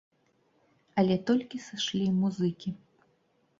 Але толькі сышлі музыкі.